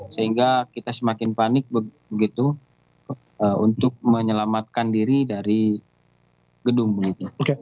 sehingga kita semakin panik begitu untuk menyelamatkan diri dari gedung begitu